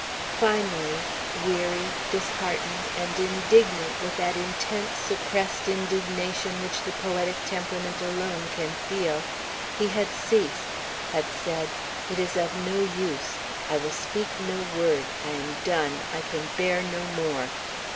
Finally, weary, disheartened, and indignant with that intense, suppressed indignation which the poetic temperament alone can feel, he had ceased, had said, "It is of no use; I will speak no word; I am done; I can bear no more!"